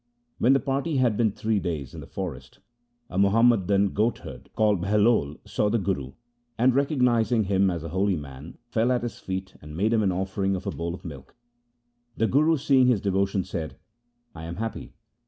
When the party had been three days in the forest, a Muhammadan goatherd called Bahlol saw the Guru, and recognizing him as a holy man, fell at his feet and made him an offering of a bowl of milk. The Guru seeing his devotion, said, ' I am happy.'